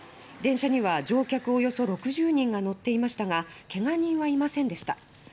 電車には乗客およそ６０人が乗っていましたがけが人はいませんでした。